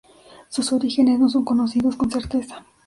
Sus orígenes no son conocidos con certeza.